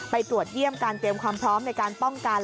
ไปตรวจเยี่ยมการเตรียมความพร้อมในการป้องกัน